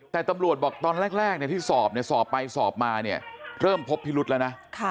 แต่ตำรวจบอกตอนแรกที่สอบสอบไปสอบมาเนี่ยเริ่มพบพิรุธแล้วนะ